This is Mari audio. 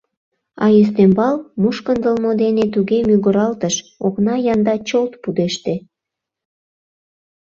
А ӱстембал мушкындылмо дене туге мӱгыралтыш — окна янда чолт пудеште.